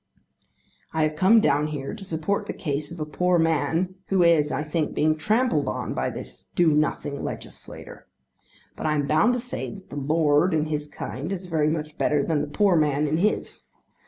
I have come down here to support the case of a poor man who is I think being trampled on by this do nothing legislator. But I am bound to say that the lord in his kind is very much better than the poor man in his.